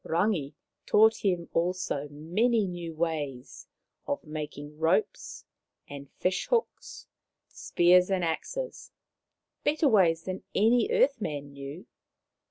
Rangi taught him also many new ways of making ropes and fish hooks, spears and axes — better ways than any earth man knew.